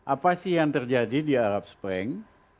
apa sih yang terjadi di arab spring